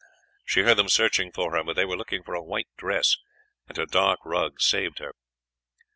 She heard them searching for her, but they were looking for a white dress, and her dark rug saved her.